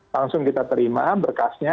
langsung kita terima berkasnya